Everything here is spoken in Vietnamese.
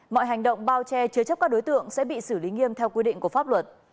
mọi hành động bao che chứa chấp các đối tượng sẽ bị xử lý nghiêm theo quy định của pháp luật